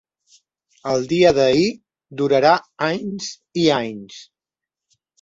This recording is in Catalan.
El dia d’ahir durarà anys i anys.